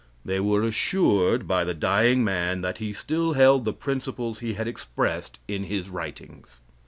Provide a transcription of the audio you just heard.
They were assured, by the dying man that he still held the principles he had expressed in his writings.